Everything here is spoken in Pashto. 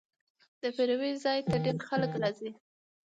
د پیرود ځای ته ډېر خلک راځي.